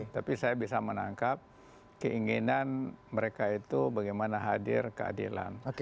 tapi saya bisa menangkap keinginan mereka itu bagaimana hadir keadilan